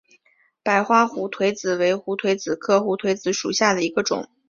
白花胡颓子为胡颓子科胡颓子属下的一个种。